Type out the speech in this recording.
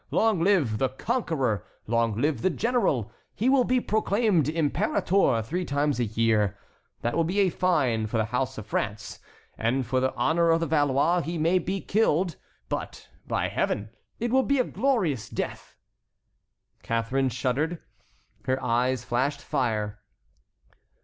Long live the conqueror! Long live the general! He will be proclaimed imperator three times a year. That will be fine for the house of France, and for the honor of the Valois; he may be killed, but, by Heaven, it will be a glorious death!" Catharine shuddered. Her eyes flashed fire.